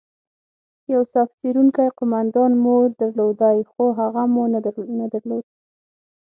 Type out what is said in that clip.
یو صف څیرونکی قومندان مو درلودلای، خو هغه مو نه درلود.